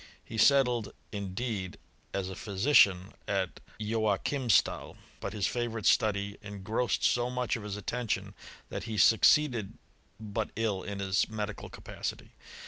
He settled, indeed, as a phy sician, at Joachimstal; but his favourite study en grossed so much of his attention, that he succeeded but ill in his medical capacity.